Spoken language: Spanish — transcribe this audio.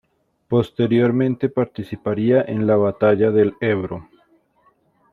Posteriormente participaría en la batalla del Ebro.